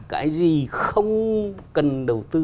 cái gì không cần đầu tư